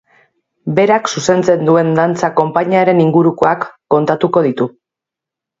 Berak zuzentzen duen dantza konpainiaren ingurukoak kontatuko ditu.